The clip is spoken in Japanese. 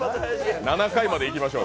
７回までいきましょう。